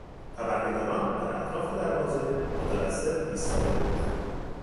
خبرنگاران در اطراف دروازه مترصد ایستاده بودند.